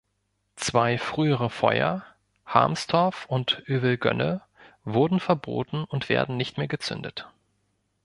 Zwei frühere Feuer, "Harmstorf" und "Övelgönne", wurden verboten und werden nicht mehr gezündet.